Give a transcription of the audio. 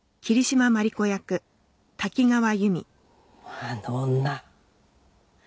あの女